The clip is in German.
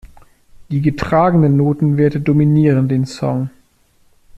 Die getragenen Notenwerte dominieren den Song.